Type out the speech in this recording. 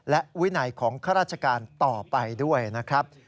และวินัยของข้าราชการต่อไปด้วยนะครับ